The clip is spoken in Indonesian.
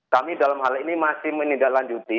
kami dalam hal ini masih menindaklanjuti